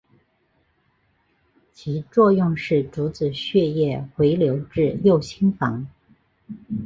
其作用是阻止血液回流至右心房。